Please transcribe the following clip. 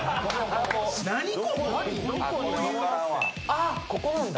あっここなんだ。